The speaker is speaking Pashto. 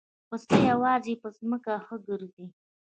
پسه یوازې په ځمکه ښه ګرځي.